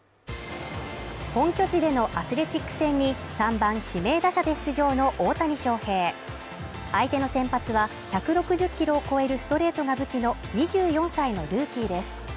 本拠地でのアスレチックス戦に３番指名打者で出場の大谷翔平相手の先発は１６０キロを超えるストレートが武器の２４歳のルーキーです。